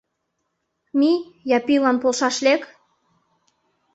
Мий, Япилан полшаш лек!